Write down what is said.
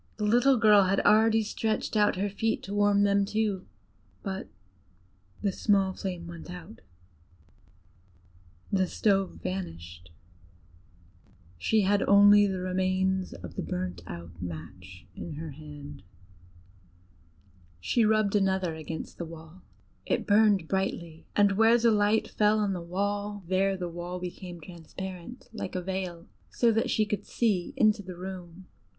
The little girl had already stretched out her feet to warm them too; but the small flame went out, the stove vanished: she had only the remains of the burnt out match in her hand. She rubbed another against the wall: it burned brightly, and where the light fell on the wall, there the wall became transparent like a veil, so that she could see into the room.